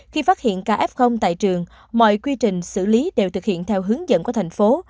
khi phát hiện ca f tại trường mọi quy trình xử lý đều thực hiện theo hướng dẫn của thành phố